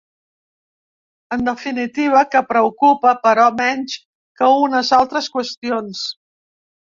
En definitiva, que preocupa, però menys que unes altres qüestions.